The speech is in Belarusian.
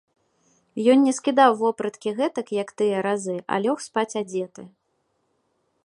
Ён не скідаў вопраткі гэтак, як тыя разы, а лёг спаць адзеты.